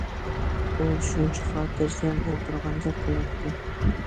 ئۇ شۇنچە خاتىرجەم ئولتۇرغاندەك قىلاتتى.